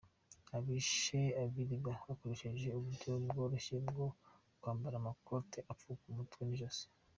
Abishe Abiriga bakoresheje uburyo bworoshye bwo kwambara amakote apfuka umutwe n’ijosi.